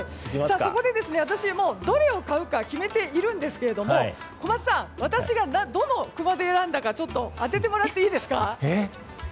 そこで私、どれを買うか決めているんですけど小松さん私がどの熊手を選んだか当ててもらっていいですか。